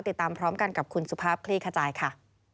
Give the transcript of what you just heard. ติดตามพร้อมกันกับคุณสุภาพคลี่ขจายค่ะ